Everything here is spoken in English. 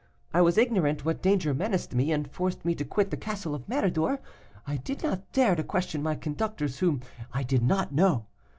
I was ignorant what danger menaced me, and forced me to quit the castle of Méridor. I did not dare to question my conductors, whom I did not know.